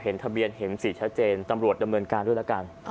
เห็นทะเบียนเห็นสีชัดเจนตำรวจดำเนินการด้วยแล้วกัน